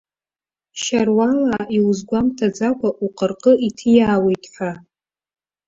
Шьаруалаа иузгәамҭаӡакәа уҟырҟы иҭиаауеит ҳәа.